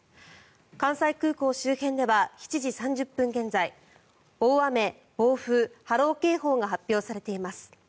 関西空港周辺では７時３０分現在大雨・暴風・波浪警報が発表されています。